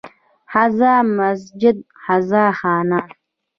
هذا مسجد، هذا خانه